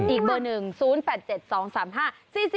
๐๘๑๘๗๓๙๓๔๓อีกเบอร์๑๐๘๗๒๓๕๔๔๘๕จ้า